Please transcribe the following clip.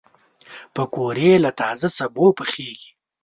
پکورې له تازه سبو پخېږي